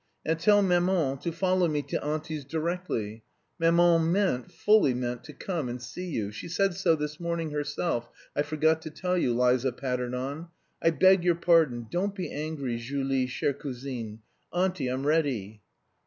"And tell maman to follow me to auntie's directly; maman meant, fully meant to come and see you, she said so this morning herself, I forgot to tell you," Liza pattered on. "I beg your pardon, don't be angry, _Julie, chère...cousine...._Auntie, I'm ready!"